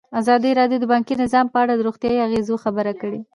ازادي راډیو د بانکي نظام په اړه د روغتیایي اغېزو خبره کړې.